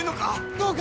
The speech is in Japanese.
どうか！